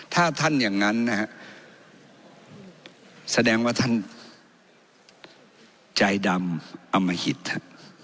ถ้าท่านอย่างนั้นนะฮะแสดงว่าท่านใจดำอมหิตฮะ